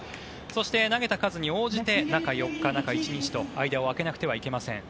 そして投げた数に応じて中４日、中１日と間を空けなくてはいけません。